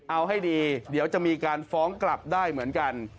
เอาให้ดีเดี๋ยวจะมีการฟ้องกลับได้เหมือนกัน